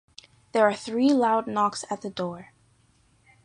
There are three loud knocks at the door.